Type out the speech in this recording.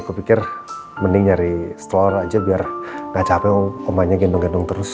kupikir mending nyari stroller aja biar gak capek omanya gendong gendong terus